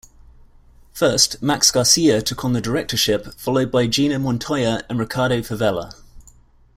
First, Max Garcia took on the directorship, followed by Gina Montoya and Ricardo Favela.